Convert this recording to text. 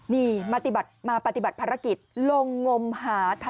นี่มาปฏิบัติภารกิจ